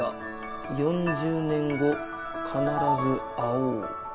４０年後必ず会おう」。